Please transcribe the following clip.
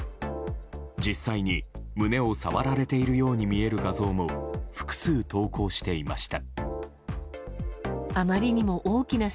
実際に胸を触られているように見える画像も複数投稿していました。